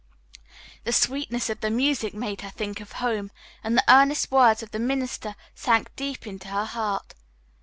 The sweetness of the music made her think of home, and the earnest words of the minister sank deep into her heart.